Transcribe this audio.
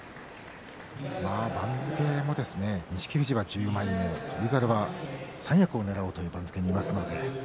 番付も錦富士は１０枚目翔猿は三役をねらうという番付にいますので。